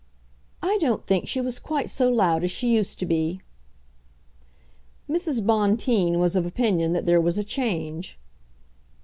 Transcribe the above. "I don't think she was quite so loud as she used to be." Mrs. Bonteen was of opinion that there was a change.